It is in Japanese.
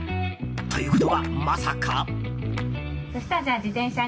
ということは、まさか。